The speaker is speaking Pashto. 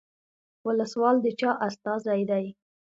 ولسوال د چا استازی دی؟